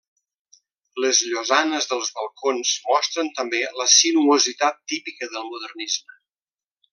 Les llosanes dels balcons mostren també la sinuositat típica del modernisme.